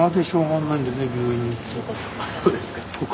あっそうですか。